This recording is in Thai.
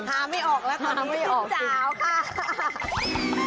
ฮาไม่ออกแล้วตอนนี้จาวค่ะ